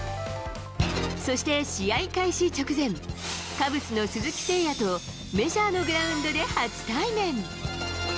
そして試合開始直前、カブスの鈴木誠也とメジャーのグラウンドで初対面。